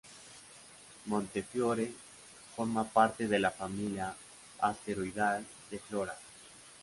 Montefiore forma parte de la familia asteroidal de Flora.